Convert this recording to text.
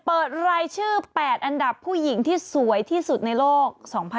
เปิดรายชื่อ๘อันดับผู้หญิงที่สวยที่สุดในโลก๒๐๑๖